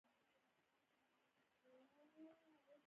ستا د خوښې تلویزیون خپرونه څه ده؟